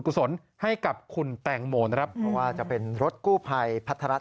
กุศลให้กับคุณแตงโมนะครับเพราะว่าจะเป็นรถกู้ภัยพัทร